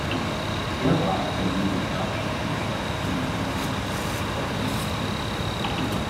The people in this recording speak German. Er war in der jugoslawischen Widerstandsbewegung gegen die deutsche Besatzung aktiv.